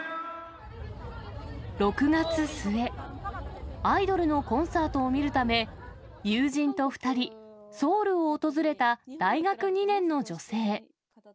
６月末、アイドルのコンサートを見るため、友人と２人、ソウルを訪れた大学２年の女性。